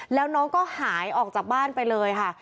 แล้วน้องก็หายออกจากบ้านไปเลยค่ะ